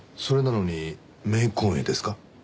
それなのに冥婚絵ですか？